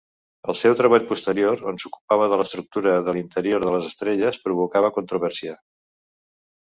El seu treball posterior, on s'ocupava de l'estructura de l'interior de les estrelles, provocava controvèrsia.